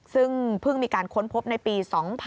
ซึ่งเพิ่งมีการค้นพบในปี๒๕๖๒